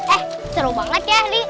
eh seru banget ya nih